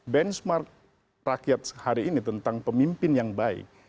benchmark rakyat hari ini tentang pemimpin yang baik